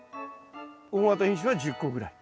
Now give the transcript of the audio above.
大型品種は１０個ぐらい。